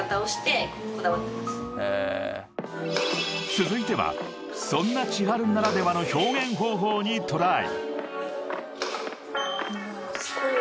［続いてはそんなｃｈｉｈａｒｕならではの表現方法にトライ］